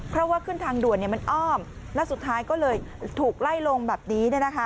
เพราะว่าขึ้นทางด่วนมันอ้อมแล้วสุดท้ายก็เลยถูกไล่ลงแบบนี้